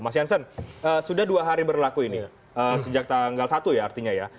mas jansen sudah dua hari berlaku ini sejak tanggal satu ya artinya ya